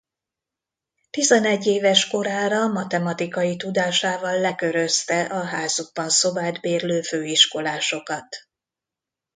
Tizenegy éves korára matematikai tudásával lekörözte a házukban szobát bérlő főiskolásokat.